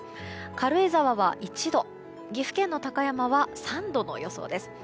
軽井沢は１度岐阜の高山は３度の予想です。